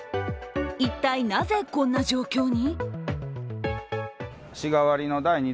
一体、なぜこんな状況に？